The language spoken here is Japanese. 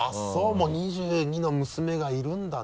もう２２の娘がいるんだね。